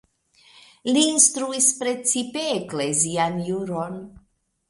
Li instruis precipe eklezian juron.